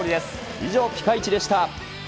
以上、ピカイチでした。